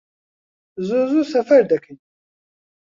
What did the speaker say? زوو زوو سەفەر دەکەین